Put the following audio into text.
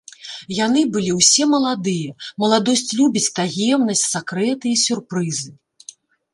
Яны былі ўсе маладыя, маладосць любіць таемнасць, сакрэты і сюрпрызы.